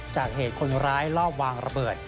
จากเหตุคนร้ายลอบวางระเบิด